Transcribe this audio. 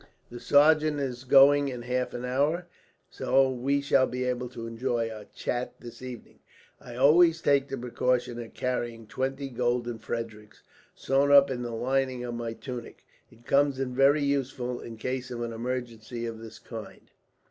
The sergeant is going in half an hour, so we shall be able to enjoy our chat this evening. I always take the precaution of carrying twenty golden Fredericks, sewn up in the lining of my tunic. It comes in very useful, in case of an emergency of this kind."